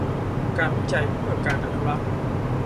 การวิจัยเพื่อการอนุรักษ์